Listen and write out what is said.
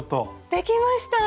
できました！